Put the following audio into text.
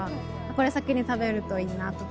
これは先に食べるといいなとか。